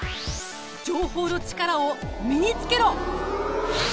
情報の力を身につけろ！